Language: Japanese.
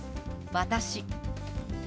「私」。